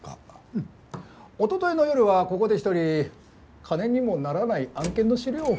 うん一昨日の夜はここで一人金にもならない案件の資料を。